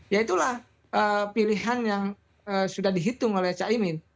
ya itulah pilihan yang sudah dihitung oleh caimin